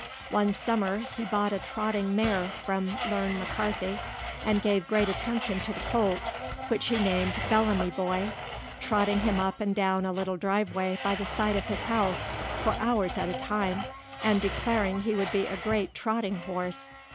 One summer be bought a trotting mare from Lem McCarthy and gave great attention to the colt, which he named Bellamy Boy, trotting him up and down a little driveway by the side of his house for hours at a time and declaring he would be a great trotting horse.